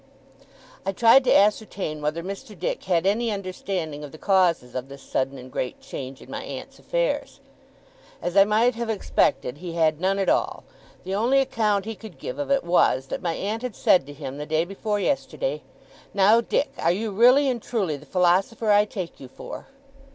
I tried to ascertain whether Mr. Dick had any understanding of the causes of this sudden and great change in my aunt's affairs. As I might have expected, he had none at all. The only account he could give of it was, that my aunt had said to him, the day before yesterday, 'Now, Dick, are you really and truly the philosopher I take you for?